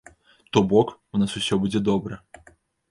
То бок, у нас усё будзе добра.